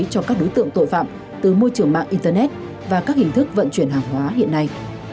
cho các đối tượng tội phạm từ môi trường mạng internet và các hình thức vận chuyển hàng hóa hiện nay